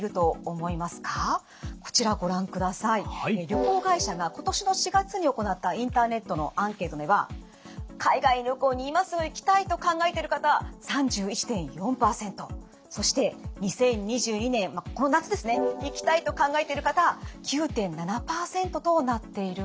旅行会社が今年の４月に行ったインターネットのアンケートでは海外旅行に今すぐ行きたいと考えてる方３１．４％そして２０２２年この夏ですね行きたいと考えてる方９．７％となっているんです。